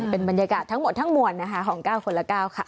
เป็นบรรยากาศทั้งหมดทั้งมวลนะคะของ๙คนละ๙ค่ะ